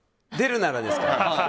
出るならですか？